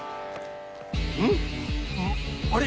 うん？あれ？